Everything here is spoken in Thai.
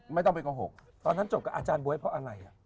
ไม่ต้องไปโกหกตอนนั้นจบกับอาจารย์บ๊วยเพราะอะไร